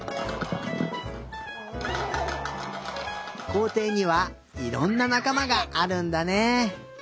こうていにはいろんななかまがあるんだね。